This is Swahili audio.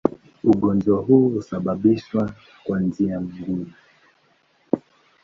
Ugonjwa huu husababishwa kwa njia mbili.